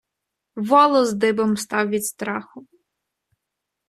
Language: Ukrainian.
Волос дибом став від страху.